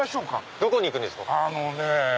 どこに行くんですか？